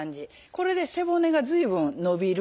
これで背骨が随分伸びる。